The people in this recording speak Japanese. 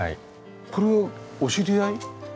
これはお知り合い？